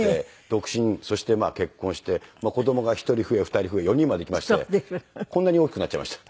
独身そして結婚して子供が１人増え２人増え４人までいきましてこんなに大きくなっちゃいました。